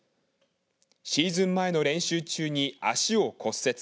シーズン前の練習中に足を骨折。